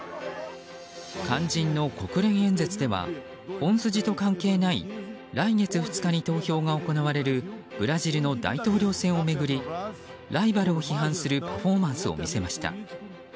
肝心の国連演説では本筋と関係ない来月２日に投票が行われるブラジルの大統領選を巡りライバルを批判するパフォーマンスを見せました。